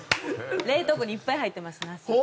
冷凍庫にいっぱい入ってます、ナス。